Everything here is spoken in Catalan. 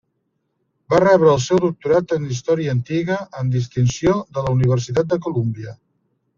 Va rebre el seu doctorat en Història Antiga, amb distinció, de la Universitat de Colúmbia.